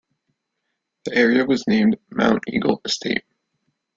The area was named Mount Eagle Estate.